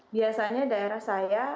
biasanya daerah saya